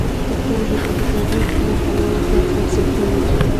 پښتو ژبه د تاریخ له پلوه پراخه ارزښت لري.